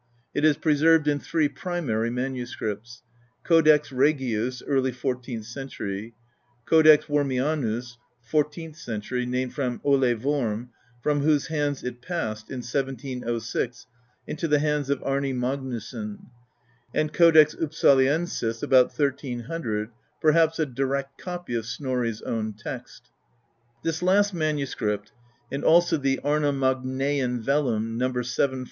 It is pre served in three primary manuscripts: Codex Regius, early fourteenth century; Codex Wormianus, fourteenth cen tury, named from Ole Worm, from whose hands it passed, in 1706, into the hands of Arni Magnusson; and Codex Upsaliensis, about 1300, perhaps a direct copy of Snorri's own text. This last manuscript, and also the Arnamagnaean vellum No.